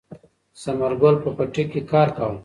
ثمر ګل په پټي کې کار کاوه.